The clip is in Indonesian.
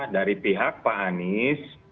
dari pihak pak anies